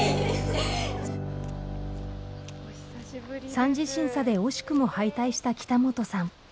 ３次審査で惜しくも敗退した北本さん。